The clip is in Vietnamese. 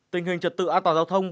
tình hình trật tự an toàn giao thông